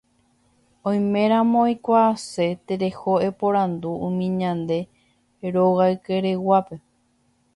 oiméramo eikuaase tereho eporandu umi ñande rogaykereguápe